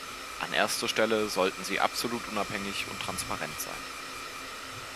An erster Stelle sollten sie absolut unabhängig und transparent sein.